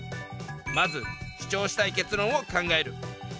まず主張したい結論を考える。